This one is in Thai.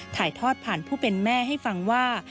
ถ่ายทอดผ่านผู้เป็นแม่ให้ฟังว่า